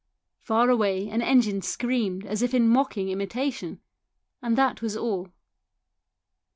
Far away an engine screamed as if in mocking imitation ; and that was all.